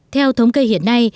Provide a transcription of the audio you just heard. theo thống kê hiện nay